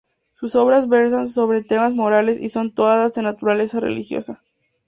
Sus obras versan sobre temas morales y son todas de naturaleza religiosa.